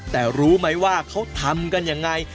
แต่รู้ไหมว่าเขาทำกันยังไง